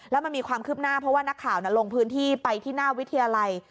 แล้วมันมีความคืบหน้าเพราะว่านักข่าวลงพื้นที่ไปที่หน้าวิทยาลัย